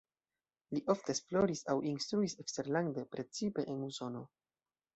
Li ofte esploris aŭ instruis eksterlande, precipe en Usono.